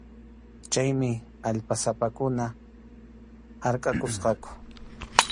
Chaymi allpasapakuna harkʼakusqaku.